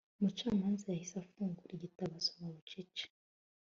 Umucamanza yahise afungura igitabo asoma bucece